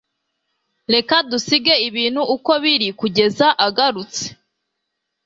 reka dusige ibintu uko biri kugeza agarutse